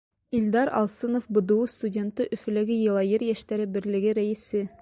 Илдар АЛСЫНОВ, БДУ студенты, Өфөләге Йылайыр йәштәре берлеге рәйесе: